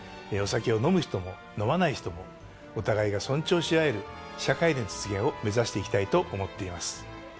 お酒を飲む人も飲まない人もお互いが尊重し合える社会の実現を目指していきたいと思っています。